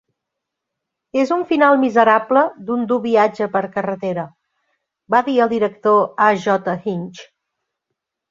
"És un final miserable d'un dur viatge per carretera", va dir el director A. J. Hinch.